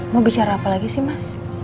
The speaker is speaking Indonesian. mau bicara apa lagi sih mas